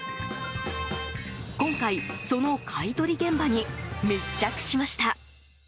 今回、その買い取り現場に密着しました。